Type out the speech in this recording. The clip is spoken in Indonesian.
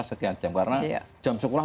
sekian jam karena jam sekolah